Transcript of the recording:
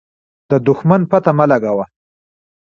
د دښمن پته مه لګوه.